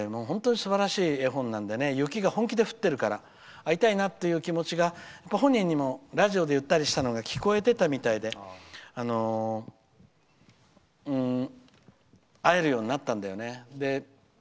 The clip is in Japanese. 本当にすばらしい絵本なので雪が本気で降ってるから会いたいなって気持ちが本人にもラジオで言ったりしたのが聞こえてたみたいで会えるようになったんだよね。